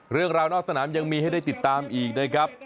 เรื่องราวนอกสนามยังมีให้ได้ติดตามอีกนะครับ